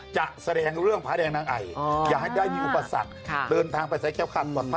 จะแสดงเรื่องภาษาแดงนางไออยากให้ได้มีอุปสรรคเดินทางไปใส่แค้วคัน